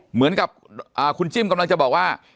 เหมือนกับคุณจิ้มกำลังจะบอกว่า